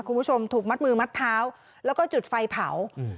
คุณผู้ชมถูกมัดมือมัดเท้าแล้วก็จุดไฟเผาอืม